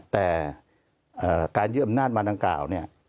แต่การยึดอำนาจมาดังกล่าวเนี่ย